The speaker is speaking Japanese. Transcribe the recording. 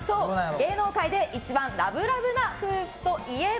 芸能界で一番ラブラブな夫婦といえば？